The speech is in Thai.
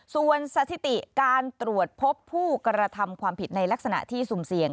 ส่วนสถิติการตรวจพบผู้กระทำความผิดในลักษณะที่สุ่มเสี่ยง